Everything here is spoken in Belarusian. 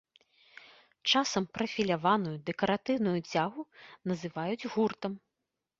Часам прафіляваную дэкаратыўную цягу называюць гуртам.